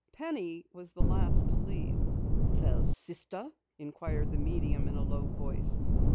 Penny was the last to leave. "Well, sister?" inquired the medium in a low voice.